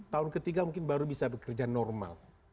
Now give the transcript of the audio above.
tahun ketiga mungkin baru bisa bekerja normal